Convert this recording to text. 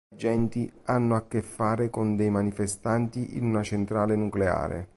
Gli agenti hanno a che fare con dei manifestanti in una centrale nucleare.